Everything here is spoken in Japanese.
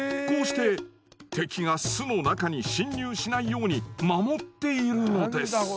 こうして敵が巣の中に侵入しないように守っているのです。